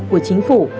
của chính phủ